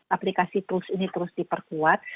aplikasi terus ini terus diperkuat